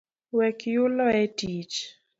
Wek yulo etich